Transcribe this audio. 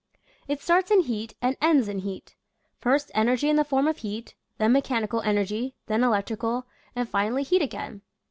It starts in heat and ends in heat. First en ergy in the form of heat — then mechanical energy — then electrical — and finally heat again.